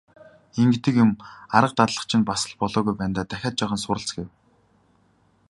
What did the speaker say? Ингэдэг юм, арга дадлага чинь бас л болоогүй байна даа, ахиад жаахан суралц гэв.